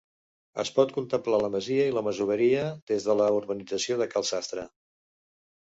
Es pot contemplar la masia i la masoveria des de la urbanització de Cal Sastre.